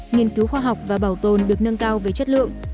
nghiên cứu khoa học và bảo tồn được nâng cao về chất lượng